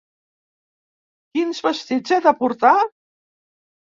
Quins vestits he de portar?